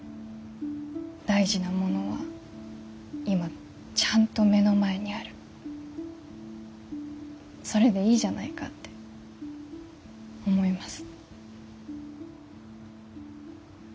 大事なものは今ちゃんと目の前にあるそれでいいじゃないかって思います。